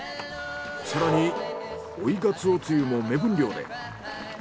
更に追い鰹つゆも目分量で。